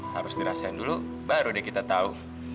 harus dirasain dulu baru deh kita tahu